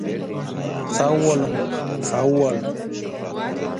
sag boluň, sagbol